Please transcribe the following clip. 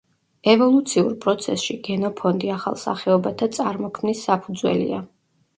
ევოლუციურ პროცესში გენოფონდი ახალ სახეობათა წარმოქმნის საფუძველია.